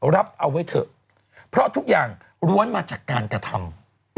รับเอาไว้เถอะเพราะทุกอย่างล้วนมาจากการกระทำ